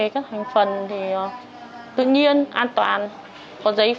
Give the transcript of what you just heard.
các bác sĩ đã xét nghiệm và khẳng định